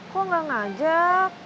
kok gak ngajak